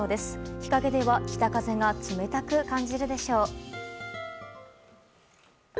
日陰では北風が冷たく感じるでしょう。